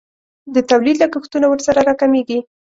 د تولید لګښتونه ورسره راکمیږي.